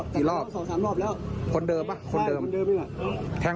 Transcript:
อยู่กันมานานนึงกับผู้ชาย